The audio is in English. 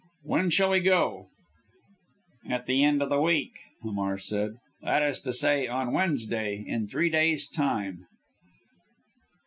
When shall we go?" "At the end of our week," Hamar said, "that is to say on Wednesday in three days' time."